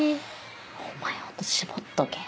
お前音絞っとけよ。